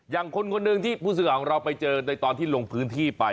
อย่างคนหนึ่งที่ผู้สื่อข่าวของเราไปเจอในตอนที่ลงพื้นที่ไป